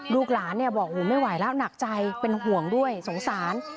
ลูกหลานบอกไม่ไหวแล้วหนักใจเป็นห่วงด้วยสงสาร